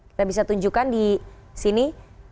kita bisa tunjukkan di sini